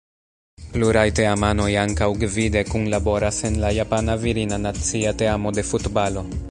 Pluraj teamanoj ankaŭ gvide kunlaboras en la japana virina nacia teamo de futbalo.